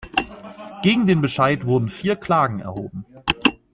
Gegen den Bescheid wurden vier Klagen erhoben.